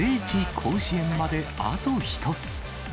甲子園まであと１つ。